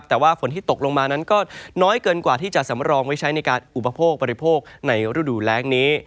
แต่ว่าฝนที่ตกลงมานั้นก็น้อยเกินกว่าที่จะสำรองไว้ใช้ในการอุปโภคบริโภคในฤดูแรงนี้